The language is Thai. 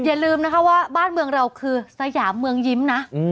อย่าลืมนะคะว่าบ้านเมืองเราคือสยามเมืองยิ้มนะ